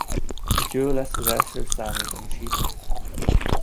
Így ő lesz az elsőszámú gyanúsított.